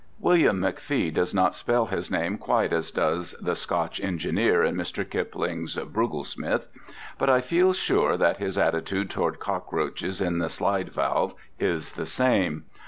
William McFee does not spell his name quite as does the Scotch engineer in Mr. Kipling's Brugglesmith, but I feel sure that his attitude toward cockroaches in the slide valve is the same.